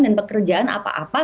dan pekerjaan apa apa